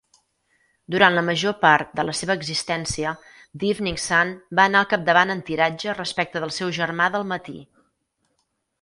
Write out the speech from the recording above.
Durant la major part de la seva existència, "The Evening Sun" va anar al capdavant en tiratge respecte del seu germà del matí.